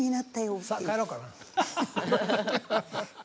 さっ帰ろうかな。